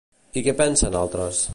I què pensen altres?